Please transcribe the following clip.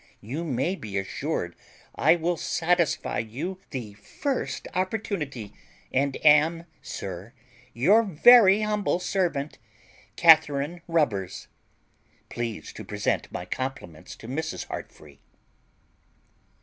You may be assured I will satisfy you the first opportunity, and am, sir, your very humble servant, CATH. RUBBERS. Please to present my compliments to Mrs. Heartfree.